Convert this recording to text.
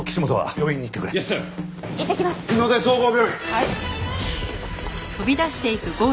はい！